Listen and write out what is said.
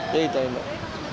ya itu mbak